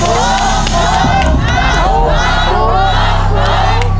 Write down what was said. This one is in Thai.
ถูก